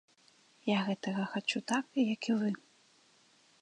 Я гэтага хачу так, як і вы.